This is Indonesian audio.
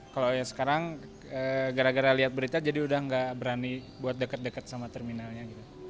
kalau yang sekarang gara gara lihat berita jadi udah gak berani buat deket deket sama terminalnya